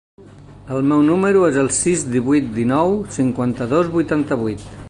El meu número es el sis, divuit, dinou, cinquanta-dos, vuitanta-vuit.